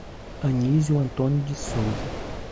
Anizio Antônio de Souza